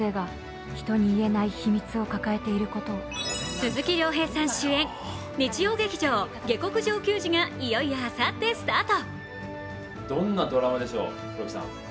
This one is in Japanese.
鈴木亮平さん主演日曜劇場「下剋上球児」がいよいよあさってスタート。